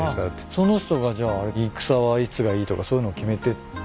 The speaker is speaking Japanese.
その人がじゃあ戦はいつがいいとかそういうのを決めてった？